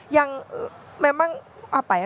yang memang apa ya